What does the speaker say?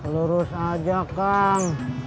lurus aja kang